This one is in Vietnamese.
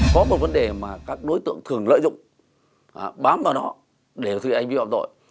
có một vấn đề mà các đối tượng thường lợi dụng bám vào đó để thực hiện hành vi phạm tội